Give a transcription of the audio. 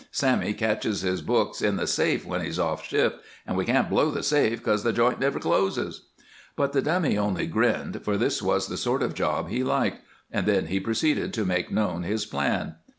"Sammy caches his books in the safe when he's off shift, and we can't blow the safe, 'cause the joint never closes." But the Dummy only grinned, for this was the sort of job he liked, and then he proceeded to make known his plan.